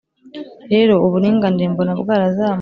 rero, uburinganire mbona bwarazamutse